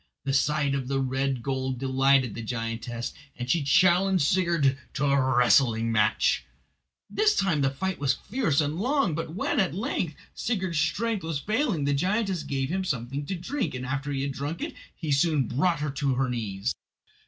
The sight of the red gold delighted the giantess, and she challenged Sigurd to a wrestling match. This time the fight was fierce and long, but when at length Sigurd's strength was failing the giantess gave him something to drink, and after he had drunk it he soon brought her to her knees.